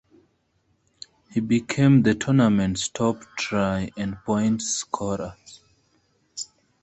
He became the tournament's top try and points scorer.